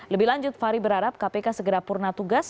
lebih lanjut fahri berharap kpk segera purna tugas